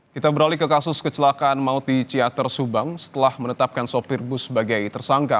kita beralih ke kasus kecelakaan maut di ciater subang setelah menetapkan sopir bus sebagai tersangka